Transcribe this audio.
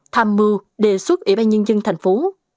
tham mưu đề xuất ủy ban nhân dân thành phố